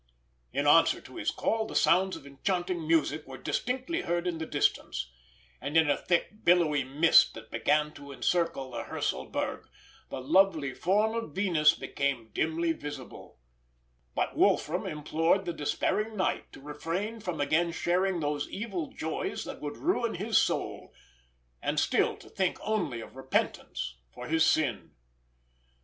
In answer to his call, the sounds of enchanting music were distinctly heard in the distance, and in a thick, billowy mist that began to encircle the Hörselberg, the lovely form of Venus became dimly visible; but Wolfram implored the despairing Knight to refrain from again sharing these evil joys that would ruin his soul, and still to think only of repentance for his sin.